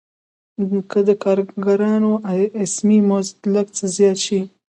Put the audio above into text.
که د کارګرانو اسمي مزد لږ څه زیات شي